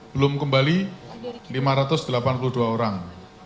belum kembali lima ratus delapan puluh dua orang